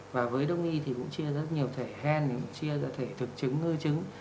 và với đông y thì cũng chia rất nhiều thể hen chia ra thể thực chứng hư chứng